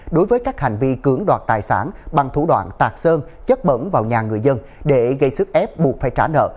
đối với các hành vi cưỡng đoạt tài sản bằng thủ đoạn tạc sơn chất bẩn vào nhà người dân để gây sức ép buộc phải trả nợ